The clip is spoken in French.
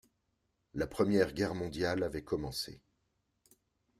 La Première Guerre mondiale avait commencé.